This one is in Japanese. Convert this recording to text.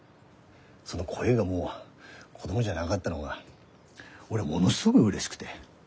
その声がもう子供じゃながったのが俺はものすごぐうれしくて。